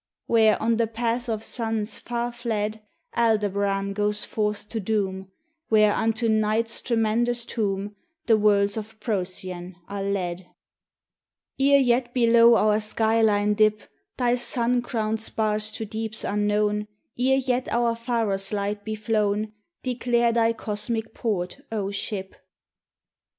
Where, on the path of suns far fled, Aldebaran goes forth to doom; Where unto Night's tremendous tomb The worlds of Procyon are led. THE TESTIMONY OF THE SUNS. Ere yet below our sky line dip Thy sun crowned spars to deeps unknown, Ere yet our pharos light be flown, Declare thy cosmic port, O Ship!